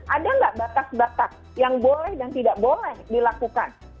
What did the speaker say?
ada nggak batas batas yang boleh dan tidak boleh dilakukan